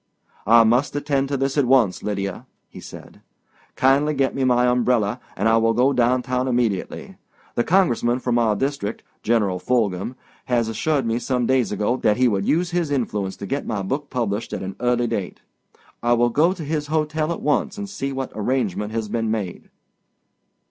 "I must attend to this at once, Lydia," he said. "Kindly get me my umbrella and I will go downtown immediately. The congressman from our district, General Fulghum, assured me some days ago that he would use his influence to get my book published at an early date. I will go to his hotel at once and see what arrangement has been made."